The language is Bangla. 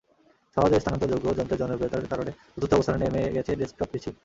সহজে স্থানান্তরযোগ্য যন্ত্রের জনপ্রিয়তার কারণে চতুর্থ অবস্থানে নেমে গেছে ডেস্কটপ পিসি।